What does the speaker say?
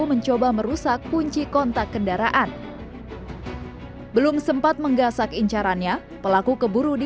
mencoba merusak kunci kontak kendaraan belum sempat menggasak incarannya pelaku keburu di